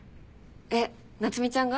えっ夏海ちゃんが？